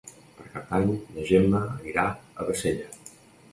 Per Cap d'Any na Gemma anirà a Bassella.